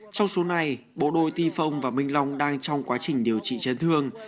trong số này bộ đôi ti phong và minh long đang trong quá trình điều trị chấn thương